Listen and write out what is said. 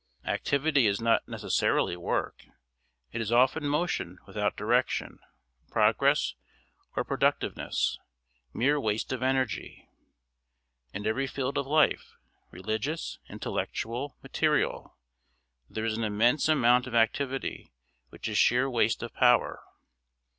Activity is not necessarily work; it is often motion without direction, progress, or productiveness; mere waste of energy. In every field of life religious, intellectual, material there is an immense amount of activity which is sheer waste of power.